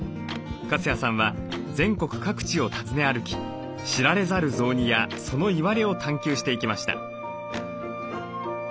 粕谷さんは全国各地を訪ね歩き知られざる雑煮やそのいわれを探求していきました。